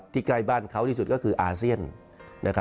ใกล้บ้านเขาที่สุดก็คืออาเซียน